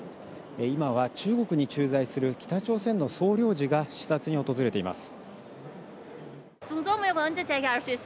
今は中国に駐在する北朝鮮の総領事が視察に訪れています。